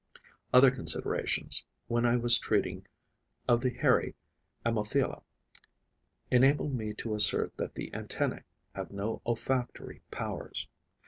Other considerations, when I was treating of the Hairy Ammophila, enabled me to assert that the antennae have no olfactory powers.